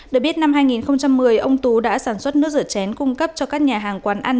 được biết năm hai nghìn một mươi ông tú đã sản xuất nước rửa chén cung cấp cho các nhà hàng quán ăn